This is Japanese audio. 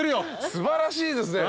素晴らしいですね。